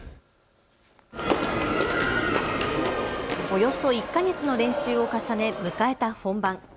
およそ１か月の練習を重ね迎えた本番。